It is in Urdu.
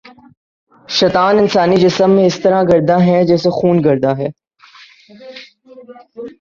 شیطان انسانی جسم میں اسی طرح گرداں ہے جیسے خون گرداں ہے